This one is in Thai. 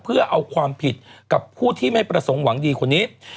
เพื่อเอาความผิดกับผู้ที่ไม่ประสงค์หวังดีคนนี้